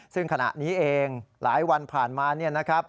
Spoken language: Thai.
ซึ่งขณะนี้เองหลายวันผ่านมา